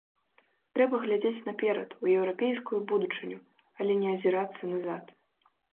Трэба глядзець наперад, у еўрапейскую будучыню, але не азірацца назад.